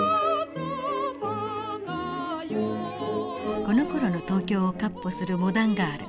このころの東京を闊歩するモダンガール。